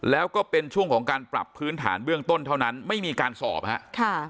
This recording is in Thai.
แล้วก็เป็นช่วงของการปรับพื้นฐานเบื้องต้นเท่านั้นไม่มีการสอบฮะ